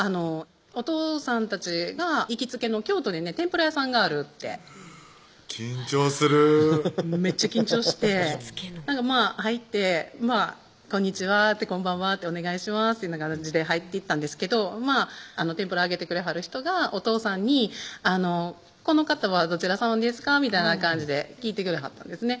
おとうさんたちが行きつけの京都に天ぷら屋さんがあるって緊張するめっちゃ緊張して入って「こんばんはお願いします」っていう感じで入っていったんですけど天ぷら揚げてくれはる人がおとうさんに「この方はどちらさまですか？」みたいな感じで聞いてくれはったんですね